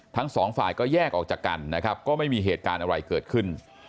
ทั้งสองฝ่ายก็แยกออกจากกันนะครับก็ไม่มีเหตุการณ์อะไรเกิดขึ้น